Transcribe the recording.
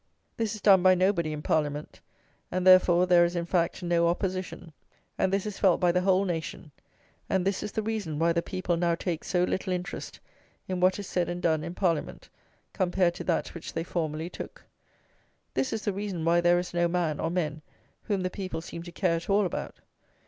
This is done by nobody in Parliament; and, therefore, there is, in fact, no opposition; and this is felt by the whole nation; and this is the reason why the people now take so little interest in what is said and done in Parliament, compared to that which they formerly took. This is the reason why there is no man, or men, whom the people seem to care at all about.